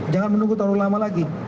jangan menunggu terlalu lama lagi